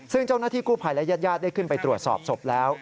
ซึ่งเจ้าหน้าที่กู้ภัยและญาติญาติได้ขึ้นไปตรวจสอบศพแล้ว